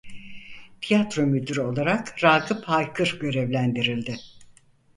Tiyatro müdürü olarak Ragıp Haykır görevlendirildi.